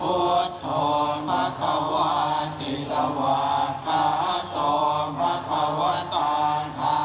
พุทธโมควะทิสวะขาตโมควะธัง